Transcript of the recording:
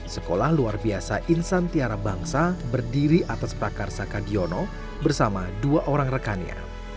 sekolah luar biasa insan tiara bangsa berdiri atas prakarsa kadiono bersama dua orang rekannya